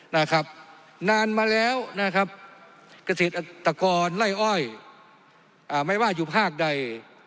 นานมาแล้วเกษตรกรไล่อ้อยไม่ว่าอยู่ภาคใด